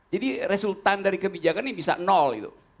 jadi resultant dari kebijakan ini bisa nol